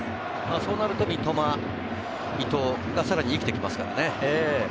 そうなると三笘、伊東がさらに生きて来ますからね。